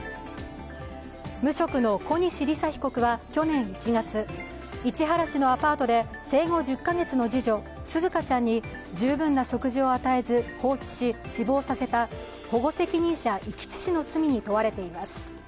無職の小西理紗被告は去年１月市原市のアパートで生後１０カ月の次女紗花ちゃんに十分な食事を与えず放置し死亡させた保護責任者遺棄致死の罪に問われています。